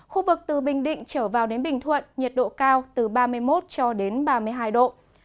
khu vực từ bình định trở vào đến bình thuận nhiệt độ cao từ ba mươi một cho đến ba mươi hai độ